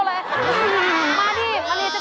ได้หรอ